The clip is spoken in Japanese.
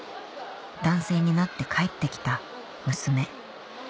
男性になって帰って来た娘